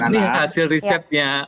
dan ini hasil risetnya